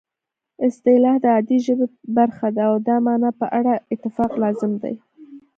اصطلاح د عادي ژبې برخه ده او د مانا په اړه اتفاق لازم دی